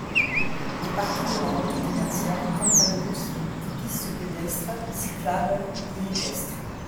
Des parties de la route commerciale comprennent aussi des pistes pédestres, cyclables et équestres.